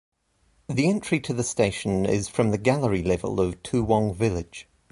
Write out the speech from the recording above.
The entry to the station is from the Gallery level of Toowong Village.